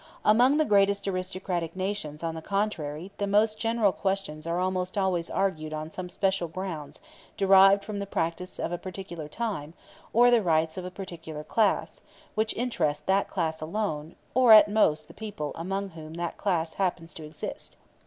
Amongst the greatest aristocratic nations, on the contrary, the most general questions are almost always argued on some special grounds derived from the practice of a particular time, or the rights of a particular class; which interest that class alone, or at most the people amongst whom that class happens to exist.